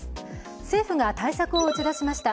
政府が対策を打ち出しました。